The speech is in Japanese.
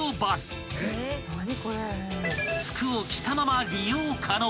［服を着たまま利用可能］